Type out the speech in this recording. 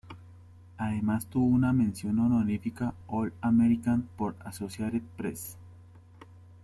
Además tuvo una mención honorífica All-American por Associated Press.